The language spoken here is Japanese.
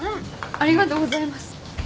ありがとうございます。